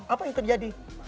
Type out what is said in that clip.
apa yang terjadi